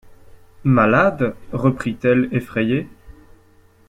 Malade! reprit-elle effrayée.